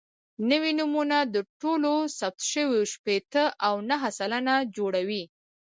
نوي نومونه د ټولو ثبت شویو شپېته او نهه سلنه جوړوي.